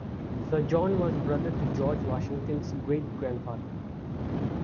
Sir John was brother to George Washington's great-grandfather.